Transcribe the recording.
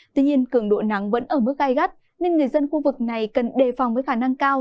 tuy nhiên cường độ nắng vẫn ở mức gai gắt nên người dân khu vực này cần đề phòng với khả năng cao